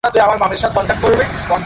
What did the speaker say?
তিনি ঐ কলেজে অধ্যাপনাও করেছিলেন।